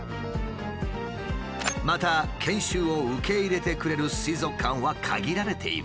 また研修を受け入れてくれる水族館は限られている。